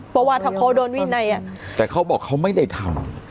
เพราะว่าถ้าเขาโดนวินัยแต่เขาบอกเขาไม่ได้ทำ